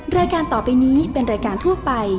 รายการต่อไปนี้เป็นรายการทั่วไป